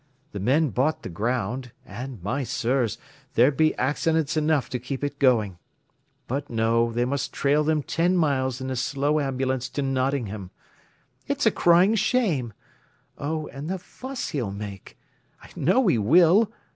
The men bought the ground, and, my sirs, there'd be accidents enough to keep it going. But no, they must trail them ten miles in a slow ambulance to Nottingham. It's a crying shame! Oh, and the fuss he'll make! I know he will!